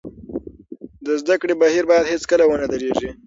د زده کړې بهیر باید هېڅکله ونه درېږي.